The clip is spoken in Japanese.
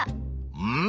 うん！